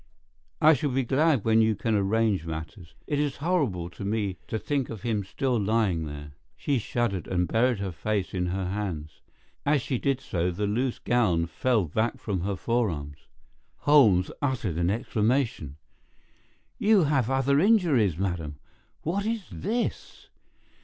"I shall be glad when you can arrange matters. It is horrible to me to think of him still lying there." She shuddered and buried her face in her hands. As she did so, the loose gown fell back from her forearms. Holmes uttered an exclamation. "You have other injuries, madam! What is this?"